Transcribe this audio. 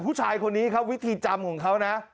ผู้ชายคนนี้ครับวิธีจำของเขานะ